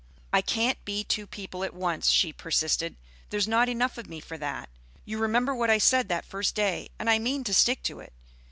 "I can't be two people at once," she persisted. "There's not enough of me for that. You remember what I said that first day, and I mean to stick to it.